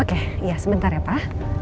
oke iya sebentar ya pak